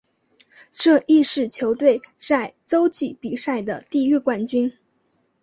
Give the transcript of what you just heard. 这亦是球队在洲际比赛的第一个冠军。